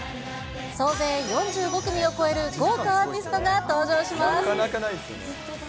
総勢４５組を超える豪華アーティストが登場します。